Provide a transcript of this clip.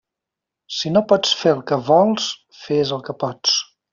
Si no pots fer el que vols, fes el que pots.